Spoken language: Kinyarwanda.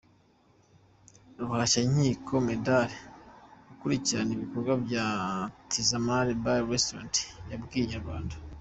Ruhashyankiko Medard ukurikirana ibikorwa bya Tizama Bar Restaurant yabwiye Inyarwanda.